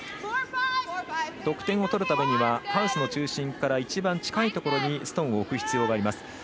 得点を取るためにはハウスの中心から一番、近いところにストーンを置く必要があります。